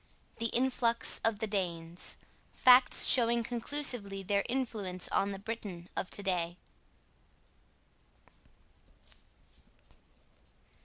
THE INFLUX OF THE DANES: FACTS SHOWING CONCLUSIVELY THEIR INFLUENCE ON THE BRITON OF TO DAY.